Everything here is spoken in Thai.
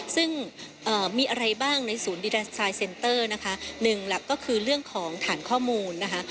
ซึ่งมีอะไรบ้างในศูนย์ดิดานไซด์เซ็นเตอร์นะคะหนึ่งหลักก็คือเรื่องของฐานข้อมูลนะคะ